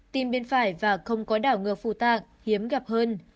tim bên phải và không có đảo ngược phụ tạng hiếm gặp hơn